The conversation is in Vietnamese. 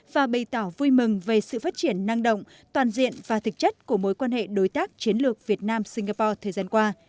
và bày tỏ vui mừng về sự phát triển năng động toàn diện và thực chất của mối quan hệ đối tác chiến lược việt nam singapore thời gian qua